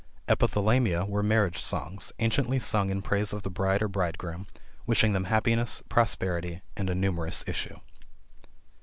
Epithalamia were marriage songs, anciently sung in praise of the bride or bridegroom, wishing them happiness, prosperity and a numerous issue.